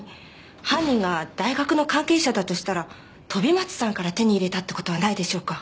犯人が大学の関係者だとしたら飛松さんから手に入れたって事はないでしょうか？